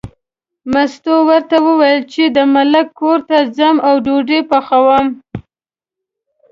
مستو ورته وویل چې د ملک کور ته ځم او ډوډۍ پخوم.